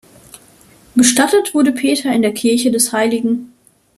Bestattet wurde Peter in der Kirche des Hl.